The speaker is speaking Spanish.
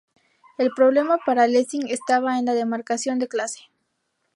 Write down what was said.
El problema para Lessing estaba en la demarcación de clase.